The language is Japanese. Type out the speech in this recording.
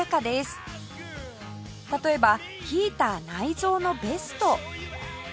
例えばヒーター内蔵のベスト